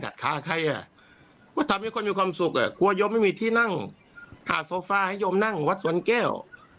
หากอันนั้นหาที่กระดูกฟ้าให้โยมนั่งวัดสวนแก้ว